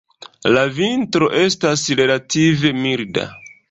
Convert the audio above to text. La vintro estas relative milda.